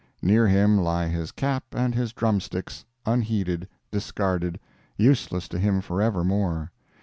Near him lie his cap and his drum sticks—unheeded, discarded, useless to him forever more.